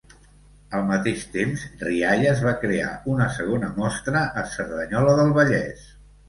Al mateix temps, Rialles va crear una segona mostra a Cerdanyola del Vallès.